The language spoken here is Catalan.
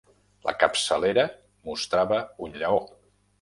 La capçalera mostrava un lleó.